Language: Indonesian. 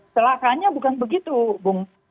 selakanya bukan begitu bung